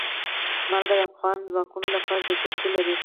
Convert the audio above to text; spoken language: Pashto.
نمک د افغان ځوانانو لپاره دلچسپي لري.